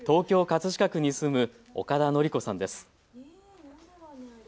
葛飾区に住む岡田乃梨子さんです。